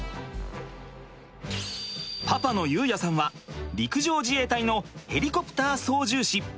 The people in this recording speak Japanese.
パパの悠也さんは陸上自衛隊のヘリコプター操縦士。